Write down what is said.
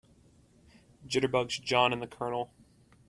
Jitterbugs JOHN and the COLONEL.